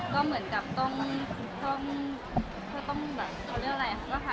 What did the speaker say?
ก็เหมือนจะต้องเขาเรียกว่าอะไรค่ะ